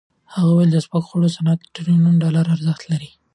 هغه وویل د سپکو خوړو صنعت د ټریلیون ډالرو ارزښت لري.